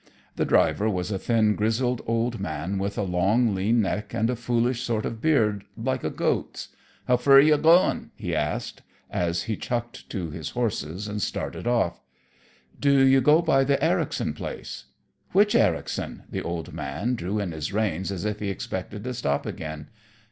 The driver was a thin, grizzled old man with a long lean neck and a foolish sort of beard, like a goat's. "How fur ye goin'?" he asked, as he clucked to his horses and started off. "Do you go by the Ericson place?" "Which Ericson?" The old man drew in his reins as if he expected to stop again.